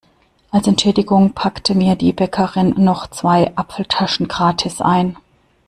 Als Entschädigung packte mir die Bäckerin noch zwei Apfeltaschen gratis ein.